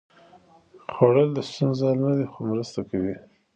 خوړل د ستونزو حل نه دی، خو مرسته کوي